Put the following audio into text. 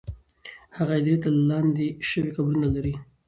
هغه هدیرې چې لاندې شوې، قبرونه لري.